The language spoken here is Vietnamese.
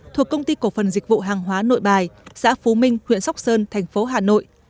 thuộc công ty cổ phần dịch vụ hàng hóa nội bài xã phú minh huyện sóc sơn tp hcm